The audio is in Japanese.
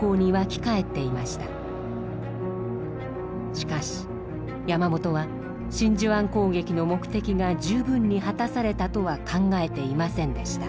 しかし山本は真珠湾攻撃の目的が十分に果たされたとは考えていませんでした。